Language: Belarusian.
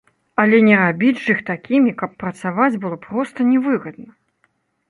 Але не рабіць ж іх такімі, каб працаваць было проста не выгадна!